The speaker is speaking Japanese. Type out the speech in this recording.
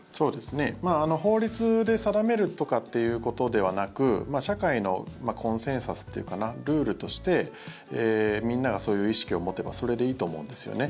法律で定めるとかっていうことではなく社会のコンセンサスっていうかなルールとしてみんながそういう意識を持てばそれでいいと思うんですよね。